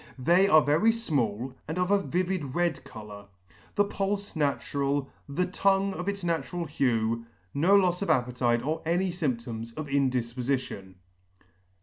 They are very fmall, and of a vivid red colour. The pulfe natural ; tongue of its natural hue ; no lofs of appetite, or any fymptom of indifpofition.